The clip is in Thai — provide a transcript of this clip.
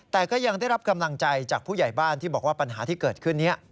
แต่ก็ยังได้รับกำลังใจจากผู้ใหญ่บ้านที่บอกว่าปัญหาที่เกิดขึ้นนี้